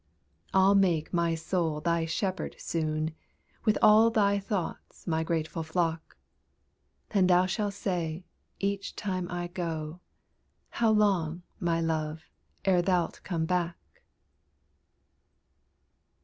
I'll make my Soul thy shepherd soon, With all thy thoughts my grateful flock; And thou shalt say, each time I go How long, my Love, ere thou'lt come back?